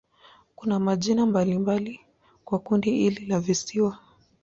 Kuna majina mbalimbali kwa kundi hili la visiwa.